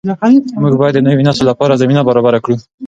موږ باید د نوي نسل لپاره زمینه برابره کړو.